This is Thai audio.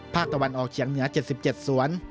ภาคตะวันออกเฉียงเหนือ๗๗สวน